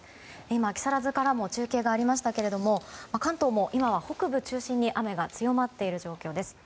今、木更津からも中継がありましたが関東も今は北部中心に雨が強まっている状況です。